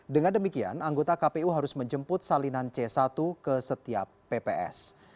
dengan demikian anggota kpu harus menjemput salinan c satu ke setiap pps